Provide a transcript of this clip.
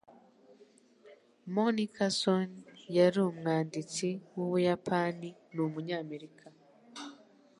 Monica Sone yari umwanditsi w’Ubuyapani n’umunyamerika.